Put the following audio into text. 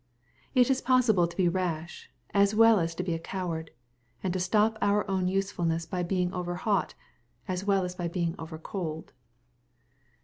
It is possible to be rash, as well as to be a coward — and to stop our own usefulness by being over hot, as well as by being over cold.